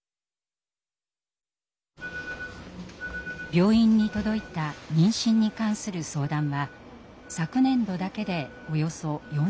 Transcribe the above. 病院に届いた妊娠に関する相談は昨年度だけでおよそ４，７００件。